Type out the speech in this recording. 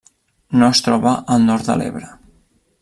No es troba al nord de l'Ebre.